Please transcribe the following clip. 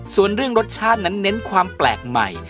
ส่วนเรื่องรสชาตินั้นเน้นความแปลกใหม่